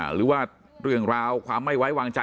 หรือว่าเรื่องราวความไม่ไว้วางใจ